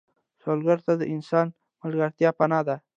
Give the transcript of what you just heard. سوالګر ته د انسان ملګرتیا پناه ده